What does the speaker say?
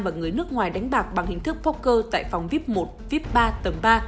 và người nước ngoài đánh bạc bằng hình thức poker tại phòng vip một vip ba tầng ba